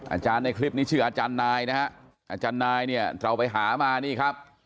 อาจารย์ในคลิปนี้ชื่ออาจารย์นายนะฮะอาจารย์นายเนี่ยเราไปหามานี่ครับ